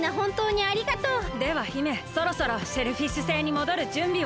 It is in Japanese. では姫そろそろシェルフィッシュ星にもどるじゅんびを。